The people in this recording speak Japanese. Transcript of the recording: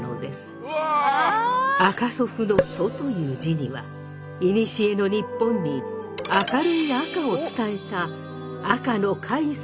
赤祖父の「祖」という字にはいにしえの日本に明るい赤を伝えた赤の開祖の誇りもにじんでいます。